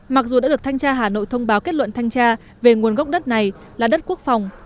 mặc dù đã được thanh tra hà nội thông báo kết luận thanh tra về nguồn gốc đất này là đất quốc phòng